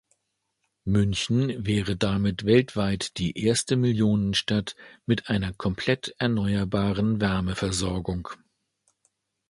München wäre damit weltweit die erste Millionenstadt mit einer komplett erneuerbaren Wärmeversorgung.